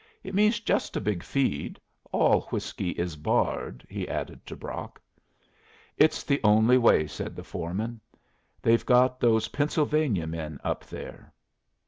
It means just a big feed. All whiskey is barred," he added to Brock. "It's the only way," said the foreman. "They've got those Pennsylvania men up there."